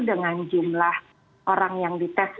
dengan jumlah orang yang dites